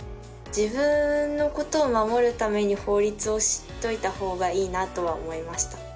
自分の事を守るために法律を知っておいた方がいいなとは思いました。